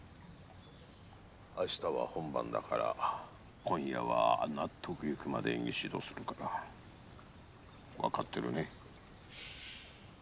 あしたは本番だから今夜は納得いくまで演技指導するから。分かってるね？